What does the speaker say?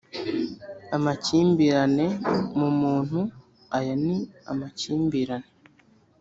amakimbirane mu muntu aya ni amakimbirane